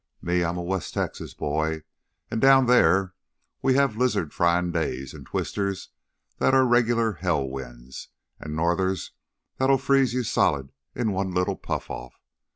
Me I'm a West Texas boy, an' down theah we have lizard fryin' days an' twisters that are regular hell winds, and northers that'll freeze you solid in one little puff off.